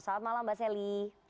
selamat malam mbak sally